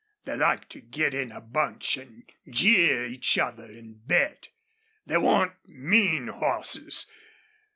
They like to get in a bunch an' jeer each other an' bet. They want MEAN hosses.